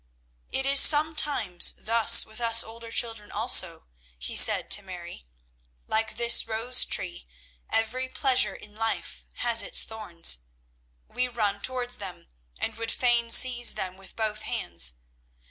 "It is sometimes thus with us older children also," he said to Mary. "Like this rose tree, every pleasure in life has its thorns. We run towards them, and would fain seize them with both hands.